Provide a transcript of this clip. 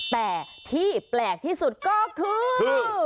แต่ที่แปลกที่สุดก็คือ